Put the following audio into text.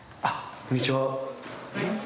こんにちは。